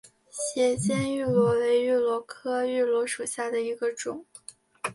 斜肩芋螺为芋螺科芋螺属下的一个种。